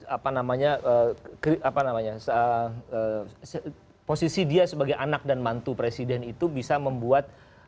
apa namanya posisi dia sebagai anak dan mantu presiden itu bisa membuat